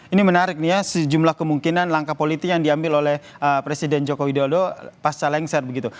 ini menarik nih ya sejumlah kemungkinan langkah politik yang diambil oleh presiden joko widodo pasca lengser begitu